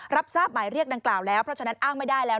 รับทราบหมายเรียกดังกล่าวแล้วเพราะฉะนั้นอ้างไม่ได้แล้ว